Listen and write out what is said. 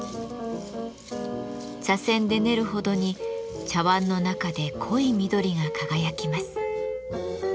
茶せんで練るほどに茶わんの中で濃い緑が輝きます。